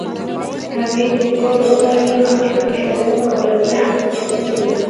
هغـې چـې ټـول عـمر يـې زمـوږ په ښـوونه او روزنـه کـې تېـر کـړى و.